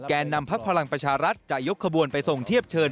นำพักพลังประชารัฐจะยกขบวนไปส่งเทียบเชิญ